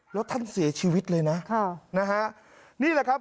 แล้วท่านเสียชีวิตเลยนะค่ะนะฮะนี่แหละครับ